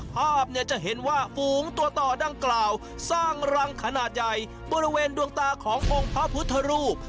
ภาพเนี่ยจะเห็นว่าฝูงตัวต่อดังกล่าวสร้างรังขนาดใหญ่บริเวณดวงตาขององค์พระพุทธรูป